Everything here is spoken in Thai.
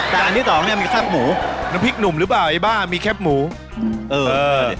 แต่อันที่สองเนี้ยมีแซ่บหมูน้ำพริกหนุ่มหรือเปล่าไอ้บ้ามีแคบหมูอืมเออ